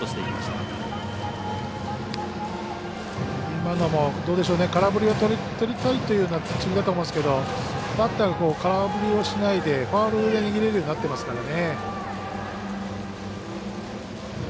今のも空振りをとりたいというようなピッチングだと思うんですけどバッターが空振りをしないでファウル寄りに振れるようになってますからね。